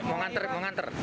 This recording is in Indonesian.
oh ke rumah sakit mengantar